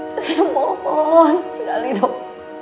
saya mohon sekali dok